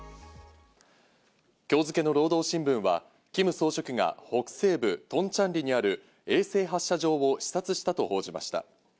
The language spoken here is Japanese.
今日付の労働新聞はキム総書記が北西部、トンチャンリにある衛星発射場を視察したと報じました。